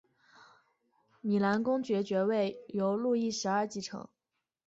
米兰公爵爵位由路易十二继承。